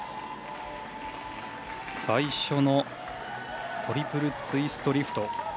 最初のトリプルツイストリフト。